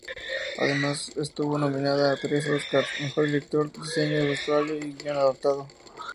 Además estuvo nominada a tres Óscars: Mejor director, diseño de vestuario y guion adaptado.